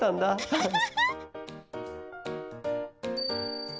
アハハハ！